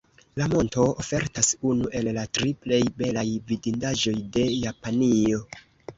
La monto ofertas unu el la tri plej belaj vidindaĵoj de Japanio.